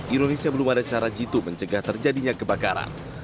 ironisnya belum ada cara jitu mencegah terjadinya kebakaran